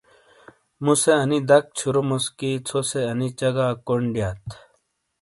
مُو سے انی دک چھُروموس کہ ژھوسے انی چگا کونڈ دیات۔